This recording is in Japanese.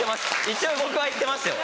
一応僕は行ってますよ。